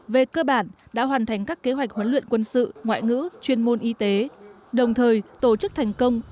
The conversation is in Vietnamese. về cơ bản đã hoàn thành các kế hoạch huấn luyện quân sự ngoại ngữ chuyên môn y tế đồng thời tổ chức thành công